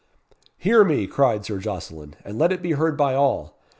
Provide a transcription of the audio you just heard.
"Hear me," cried Sir Jocelyn, "and let it be heard by all.